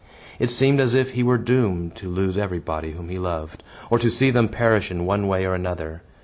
It seemed as if he were doomed to lose everybody whom he loved, or to see them perish in one way or another.